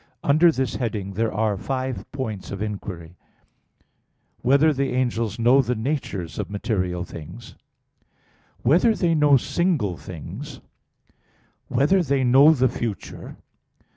Under this heading there are five points of inquiry: (1) Whether the angels know the natures of material things? (2) Whether they know single things? (3) Whether they know the future?